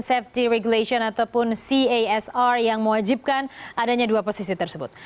safety regulation ataupun casr yang mewajibkan adanya dua posisi tersebut